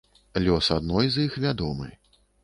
Лёс адной з іх вядомы.